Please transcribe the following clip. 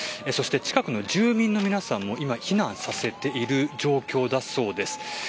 近くの住民の皆さんも避難させている状況だそうです。